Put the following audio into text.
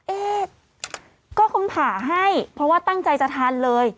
เอ๊ะก็คุณผ่าให้เพราะว่าตั้งใจจะทานเลย